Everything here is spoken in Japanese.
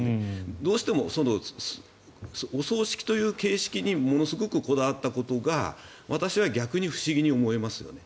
どうしてもお葬式という形式にものすごくこだわったことが私は逆に不思議に思いますよね。